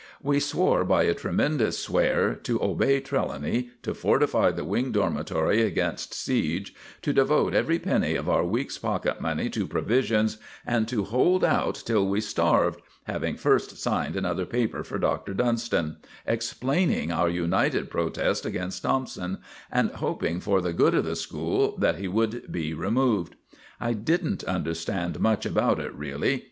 We swore by a tremendous swear to obey Trelawny, to fortify the Wing Dormitory against siege, to devote every penny of our week's pocket money to provisions, and to hold out till we starved, having first signed another paper for Doctor Dunston explaining our united protest against Thompson, and hoping for the good of the school that he would be removed. I didn't understand much about it really.